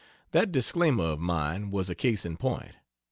That disclaimer of mine was a case in point.